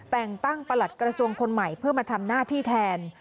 แต่งตั้งประหลัดกระทรวงคนใหม่เพื่อมาทำหน้าที่แทน